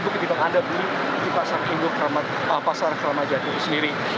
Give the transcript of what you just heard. ketika anda beli di pasar keramat jati sendiri